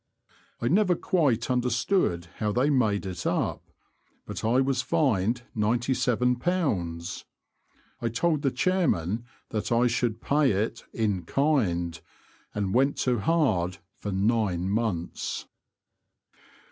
I never quite understood how they made it up, but I was fined ninety seven pounds. I told the Chairman that I should pay it ''in kind," and went to '' hard " for nine months.